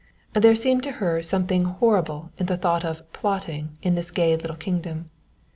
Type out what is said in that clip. There seemed to her something horrible in the thought of "plotting" in this gay little kingdom.